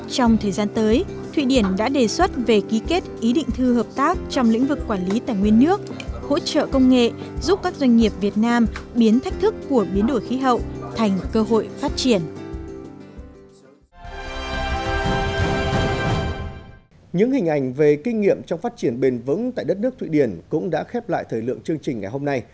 trong thời gian tới thụy điển đã đề xuất về ký kết ý định thư hợp tác trong lĩnh vực quản lý tài nguyên nước hỗ trợ công nghệ giúp các doanh nghiệp việt nam biến thách thức của biến đổi khí hậu thành cơ hội phát triển